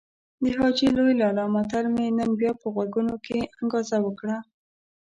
د حاجي لوی لالا متل مې نن بيا په غوږونو کې انګازه وکړه.